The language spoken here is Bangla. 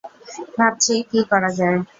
ভাবছি কী করা যায়।